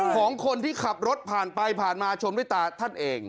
ของคนที่ขับรถผ่านไปผ่านมาชมด้วยตาท่านเอง